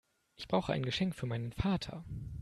Ich brauche ein Geschenk für meinen Vater.